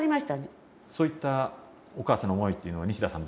そういったお母さんの思いっていうのは西田さん